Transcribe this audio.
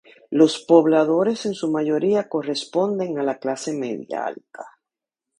Los pobladores en su mayoría corresponden a la clase media alta.